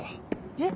えっ？